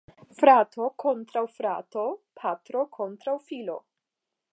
Frato kontraŭ frato, patro kontraŭ filo.